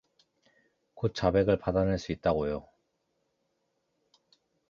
곧 자백을 받아 낼 수 있다고요.